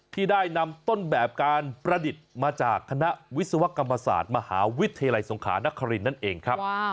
ที่ได้นำต้นแบบการประดิษฐ์มาจากคณะวิศวกรรมศาสตร์มหาวิทยาลัยสงขานครินนั่นเองครับ